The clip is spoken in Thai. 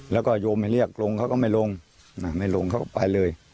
แล้วก็โยมให้เรียกลงเขาก็ไม่ลงไม่ลงเขาก็ไปเลย